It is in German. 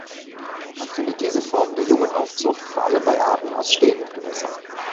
Man findet diese Form der Jungenaufzucht vor allem bei Arten aus stehenden Gewässern.